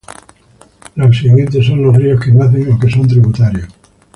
Los siguientes son los ríos que nacen o que son tributarios.